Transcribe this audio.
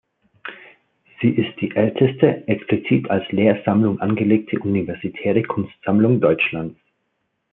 Sie ist die älteste explizit als Lehrsammlung angelegte universitäre Kunstsammlung Deutschlands.